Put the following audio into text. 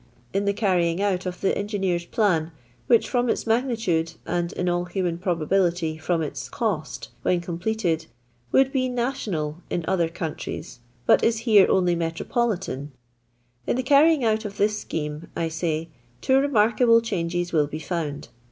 In the carrying out of the engineer's plan — which from its magnitude, and, in all human probability, from its cost^ when completed, would be national in other countries, but is here only metropolitan — in the carrying out of this scheme, I say, two remarkable changes will be foimd.